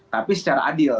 tapi secara adil